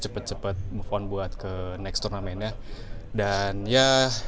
cepat cepat move on buat ke next turnamennya dan ya